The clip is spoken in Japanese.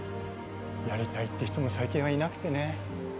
やりたいっていう人も最近はいなくてね